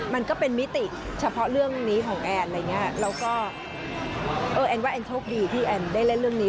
มันก็เป็นมิติเฉพาะเรื่องนี้ของแอนอะไรอย่างเงี้ยแล้วก็เออแอนว่าแอนโชคดีที่แอนได้เล่นเรื่องนี้